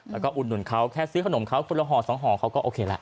แล้วก็อุดหนุนเขาแค่ซื้อขนมเขาคนละห่อสองห่อเขาก็โอเคละ